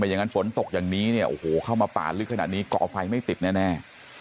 อย่างนั้นฝนตกอย่างนี้เนี่ยโอ้โหเข้ามาป่าลึกขนาดนี้เกาะไฟไม่ติดแน่